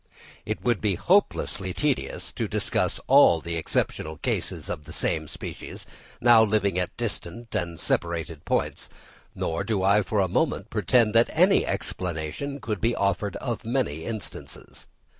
It would be hopelessly tedious to discuss all the exceptional cases of the same species, now living at distant and separated points; nor do I for a moment pretend that any explanation could be offered of many instances.